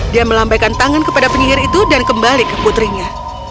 dia melambaikan tangan kepada penyihir itu dan kembali ke putrinya